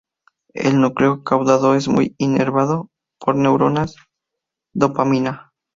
El núcleo caudado es muy inervado por neuronas dopamina.